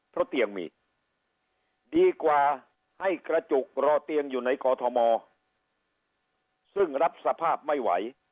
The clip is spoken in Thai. เพราะเตียงมีดีกว่าให้กระจุกรอเตียงอยู่ในกอทมซึ่งรับสภาพไม่ไหว